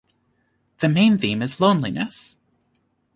The main theme is loneliness.